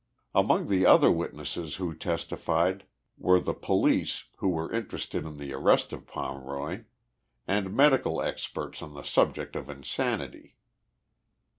Among the other witnesses, who testified, were the police, who were interested in the arrest of Pomeroy, and medical experts on the subject of insanity.